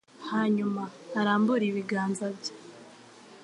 hanyuma arambure ibiganza bye,